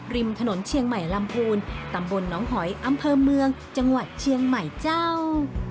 ริมถนนเชียงใหม่ลำพูนตำบลน้องหอยอำเภอเมืองจังหวัดเชียงใหม่เจ้า